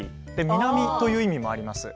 「南」という意味もあります。